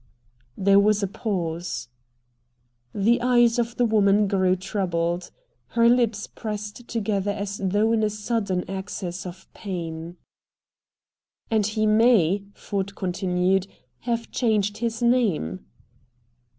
There was a pause. The eyes of the woman grew troubled. Her lips pressed together as though in a sudden access of pain. "And he may," Ford continued, "have changed his name."